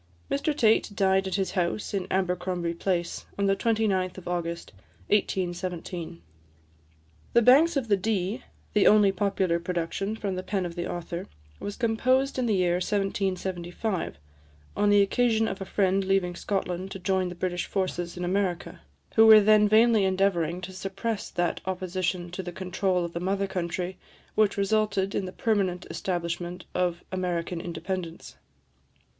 Mr Tait died at his house in Abercromby Place, on the 29th of August 1817. "The Banks of the Dee," the only popular production from the pen of the author, was composed in the year 1775, on the occasion of a friend leaving Scotland to join the British forces in America, who were then vainly endeavouring to suppress that opposition to the control of the mother country which resulted in the permanent establishment of American independence.